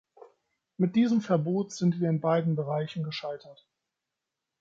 Mit diesem Verbot sind wir in beiden Bereichen gescheitert.